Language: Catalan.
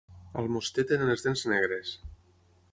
A Almoster tenen les dents negres.